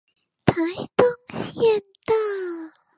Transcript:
台東縣道